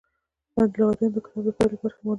لاندې لغتونه د کتاب د پای له برخې معنا کړي.